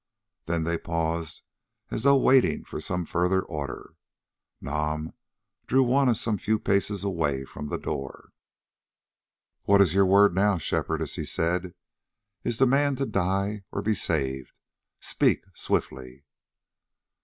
Then they paused as though waiting for some further order. Nam drew Juanna some few paces away from the door. "What is your word now, Shepherdess?" he said. "Is the man to die or be saved? Speak swiftly."